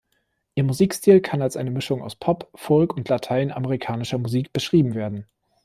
Ihr Musikstil kann als eine Mischung aus Pop, Folk und lateinamerikanischer Musik beschrieben werden.